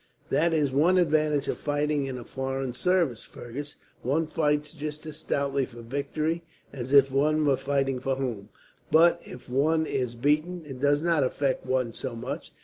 "That is one advantage of fighting in a foreign service, Fergus. One fights just as stoutly for victory as if one were fighting for home, but if one is beaten it does not affect one so much.